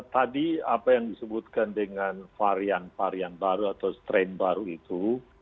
tadi apa yang disebutkan dengan varian varian baru atau strain baru itu